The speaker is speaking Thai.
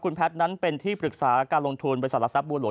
คุณแพทย์นั้นเป็นที่ปรึกษาการลงทุนบริษัทหลักทรัพย์บัวหลวง